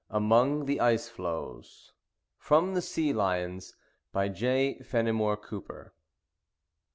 AMONG THE ICE FLOES (From the Sea Lions.) By J. FENIMORE COOPER.